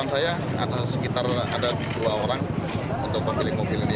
sekitar ada dua orang untuk memilih mobil ini